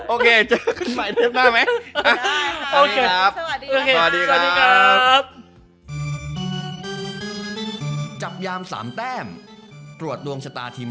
โอเคเจอกันใหม่เทปหน้าไหม